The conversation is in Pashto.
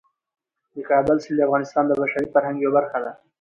د کابل سیند د افغانستان د بشري فرهنګ یوه برخه ده.